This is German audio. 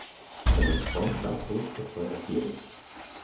Seine Frau starb kurz bevor er fiel.